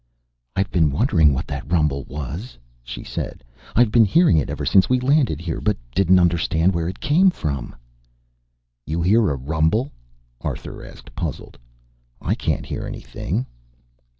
"I've been wondering what that rumble was," she said. "I've been hearing it ever since we landed here, but didn't understand where it came from." "You hear a rumble?" Arthur asked, puzzled. "I can't hear anything."